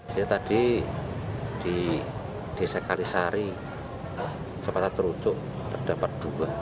saya tadi di desa kalisari sempat terucuk terdapat dua